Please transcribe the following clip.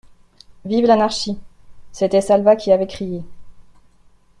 Vive l'anarchie ! C'était Salvat qui avait crié.